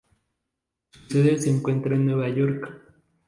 Su sede se encuentra en Nueva York.